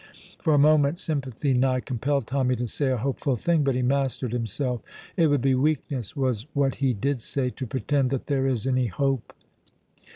For a moment sympathy nigh compelled Tommy to say a hopeful thing, but he mastered himself. "It would be weakness," was what he did say, "to pretend that there is any hope."